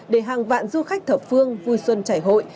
để hàng vạn du khách thập phương vui xuân chảy hội